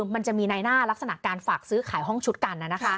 มันจะมีในหน้าลักษณะการฝากซื้อขายห้องชุดกัน